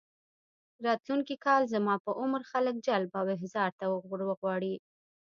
راتلونکي کال زما په عمر خلک جلب او احضار ته ورغواړي.